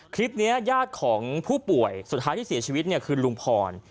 คลิปนี้ญาติของผู้ป่วยสุดท้ายที่เสียชีวิตเนี่ยคือลุงพร